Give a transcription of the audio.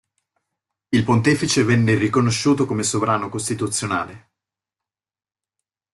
Il Pontefice venne riconosciuto come sovrano costituzionale.